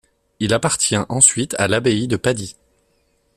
Il appartient ensuite à l’abbaye de Padis.